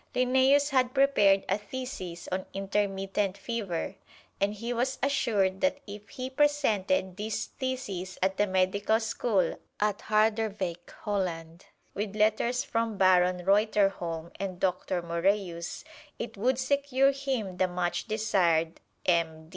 Linnæus had prepared a thesis on intermittent fever, and he was assured that if he presented this thesis at the medical school at Harderwijk, Holland, with letters from Baron Reuterholm and Doctor Moræus, it would secure him the much desired M.